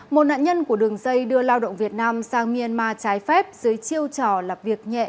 một nạn nhân của đường dây đưa lao động việt nam sang myanmar trái phép dưới chiêu trò lập việc nhẹ